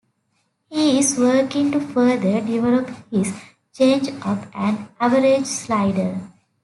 He is working to further develop his changeup and average slider.